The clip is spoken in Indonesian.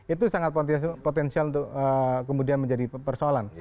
itu sangat potensial untuk kemudian menjadi persoalan